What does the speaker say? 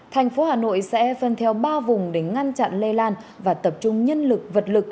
thành phố hà nội sẽ phân theo ba vùng để ngăn chặn lây lan và tập trung nhân lực vật lực